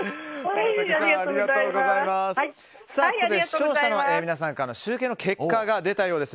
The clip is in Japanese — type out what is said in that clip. ここで視聴者の皆さんからの集計結果が出たようです。